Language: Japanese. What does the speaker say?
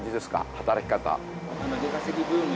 働き方。